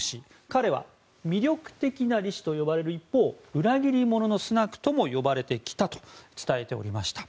彼は魅力的なリシと呼ばれる一方裏切り者のスナクとも呼ばれてきたと伝えておりました。